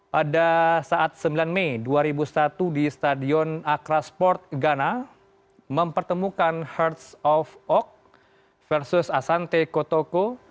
pada saat sembilan mei dua ribu satu di stadion akrasport ghana mempertemukan herds of ok versus asante kotoco